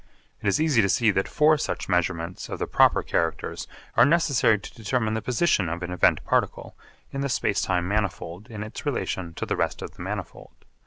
It is easy to see that four such measurements of the proper characters are necessary to determine the position of an event particle in the space time manifold in its relation to the rest of the manifold.